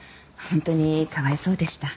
ホントにかわいそうでした。